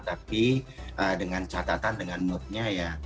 tapi dengan catatan dengan moodnya ya